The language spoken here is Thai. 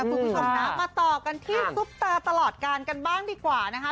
คุณผู้ชมนะมาต่อกันที่ซุปตาตลอดการกันบ้างดีกว่านะคะ